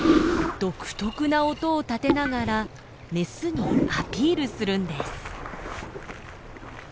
独特な音を立てながらメスにアピールするんです。